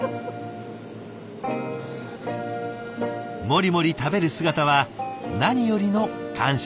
もりもり食べる姿は何よりの感謝の証し。